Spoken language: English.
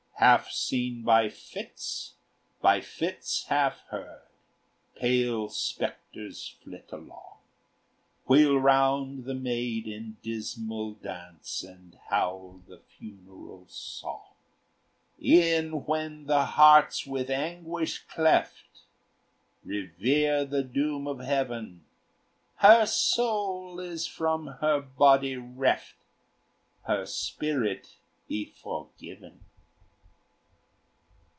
Half seen by fits, by fits half heard, Pale spectres flit along, Wheel round the maid in dismal dance, And howl the funeral song: "E'en when the heart's with anguish cleft, Revere the doom of heaven. Her soul is from her body reft; Her spirit be forgiven!"